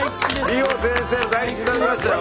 美穂先生の大吉頂きましたよ。